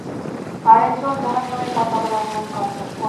আরেক দল জাহান্নামের পথ অবলম্বন করল।